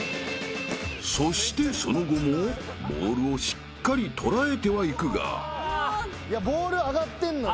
［そしてその後もボールをしっかり捉えてはいくが］ボール上がってんのよ。